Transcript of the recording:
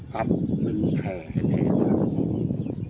กระปะแก้ได้แล้ว